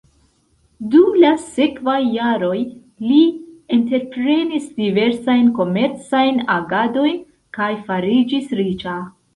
Dum la sekvaj jaroj li entreprenis diversajn komercajn agadojn kaj fariĝis riĉa.